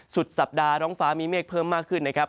สุดสัปดาห์ท้องฟ้ามีเมฆเพิ่มมากขึ้นนะครับ